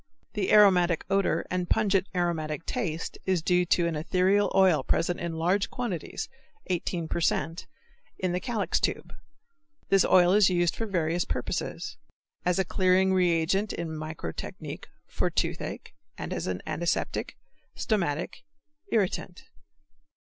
The aromatic odor and pungent aromatic taste is due to an ethereal oil present in large quantities (18 per cent.) in the calyx tube. This oil is used for various purposes; as a clearing reagent in microtechnique, for toothache, as an antiseptic, stomachic, irritant.